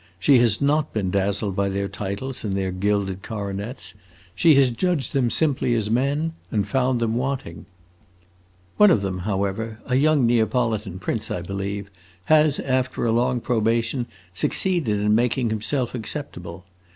She has not been dazzled by their titles and their gilded coronets. She has judged them simply as men, and found them wanting. One of them, however, a young Neapolitan prince, I believe, has after a long probation succeeded in making himself acceptable.